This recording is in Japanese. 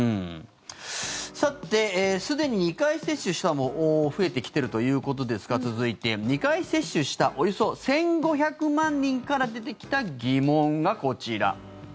さて、すでに２回接種した人も増えてきているということですが続いて、２回接種したおよそ１５００万人から出てきた疑問がこちら。